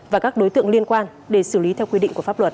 và các đối tượng liên quan để xử lý theo quy định của pháp luật